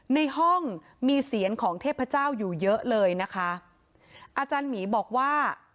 ในห้องมีเสียงของเทพเจ้าอยู่เยอะเลยนะคะอาจารย์หมีบอกว่า